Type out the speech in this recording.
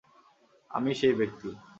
আমিই সেই ব্যাক্তি!